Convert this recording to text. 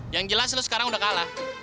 yang jelas lo sekarang udah kalah